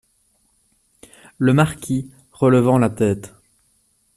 Le Marquis, relevant la tête.